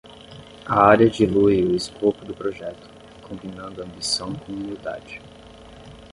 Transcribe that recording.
A área dilui o escopo do projeto, combinando ambição com humildade.